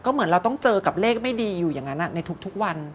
เหมือนเราต้องเจอกับเลขไม่ดีอยู่อย่างนั้นในทุกวัน